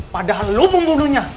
padahal lo pembunuhnya